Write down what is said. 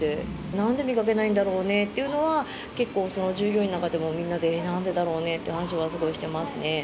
なんで見かけないんだろうねっていうのは、結構従業員の中でも、みんなで、なんでだろうなって話はすごいしてますね。